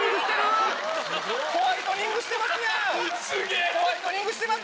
ホワイトニングしてますやん！